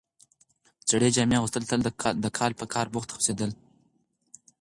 زړې جامې اغوستل تل د کاله په کار بوخت هوسېدل،